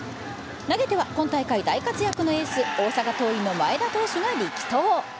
投げては、今大会大活躍のエース、大阪桐蔭の前田投手が力投。